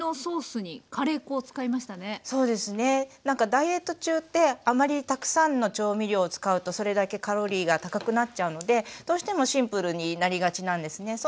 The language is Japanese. なんかダイエット中ってあまりたくさんの調味料を使うとそれだけカロリーが高くなっちゃうのでどうしてもシンプルになりがちなんですね。